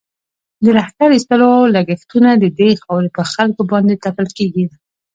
د لښکر ایستلو لږښتونه د دې خاورې پر خلکو باندې تپل کېدل.